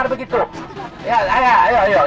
sebentar pak sebentar pak